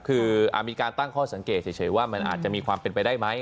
คือมีการตั้งข้อสังเกตเฉยว่ามันอาจจะมีความเป็นไปได้ไหม